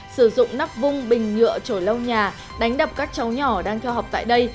sử dụng nắp vung bình nhựa trổi lâu nhà đánh đập các cháu nhỏ đang theo học tại đây